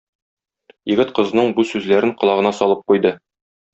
Егет кызның бу сүзләрен колагына салып куйды.